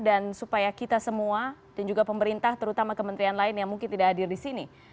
dan supaya kita semua dan juga pemerintah terutama kementerian lain yang mungkin tidak hadir di sini